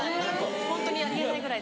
ホントあり得ないぐらい。